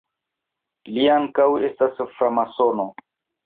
Li ankaŭ estas framasono.